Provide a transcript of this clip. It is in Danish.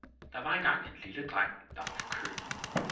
Der var engang en lille dreng, der var forkølet.